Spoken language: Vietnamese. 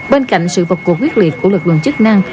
bên cạnh sự vật cuộc quyết liệt của lực lượng chức năng